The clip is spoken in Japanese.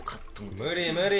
無理無理。